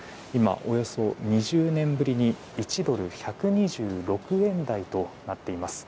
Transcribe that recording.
今、およそ２０年ぶりに１ドル＝１２６円台となっています。